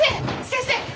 先生！